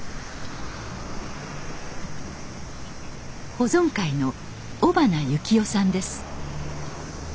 保存会の尾花幸男さんです。